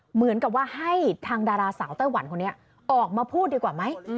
เหมือนกับว่าให้ทางดาราสาวไต้หวันคนนี้ออกมาพูดดีกว่าไหม